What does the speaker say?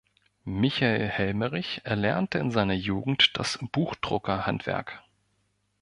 Michael Helmerich erlernte in seiner Jugend das Buchdrucker-Handwerk.